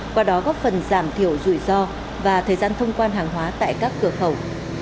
qua đó góp phần giảm thiểu rủi ro và thời gian thông quan hàng hóa tại các cửa khẩu